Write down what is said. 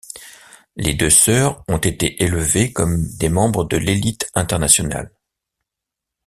Les deux sœurs ont été élevées comme des membres de l'élite internationale.